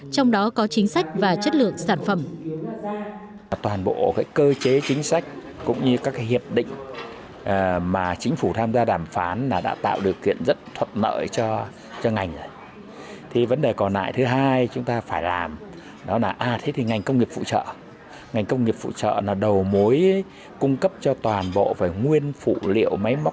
trong đó có chính sách và chất lượng sản phẩm